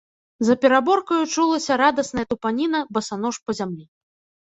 За пераборкаю чулася радасная тупаніна басанож па зямлі.